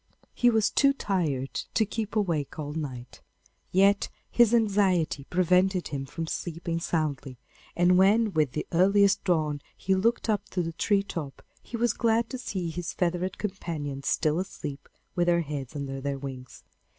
He was too tired to keep awake all night, yet his anxiety prevented him from sleeping soundly, and when with the earliest dawn he looked up to the tree top, he was glad to see his feathered companions still asleep with their heads under their wings.